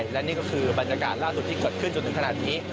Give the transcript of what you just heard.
และนี่ก็คือบรรยากาศล่าสุดที่เกิดขึ้นจนถึงขนาดนี้